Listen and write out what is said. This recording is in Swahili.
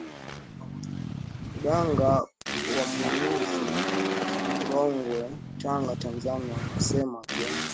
maganga wa muyuzi korongwe tanga tanzania unasema vyo